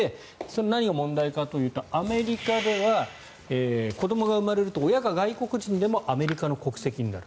何が問題かというとアメリカでは子どもが生まれると親が外国人でもアメリカの国籍になる。